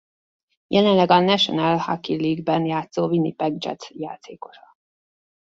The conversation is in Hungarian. Jelenleg a National Hockey League-ben játszó Winnipeg Jets játékosa.